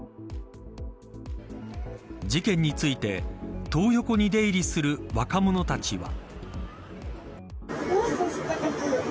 事件についてトー横に出入りする若者たちは。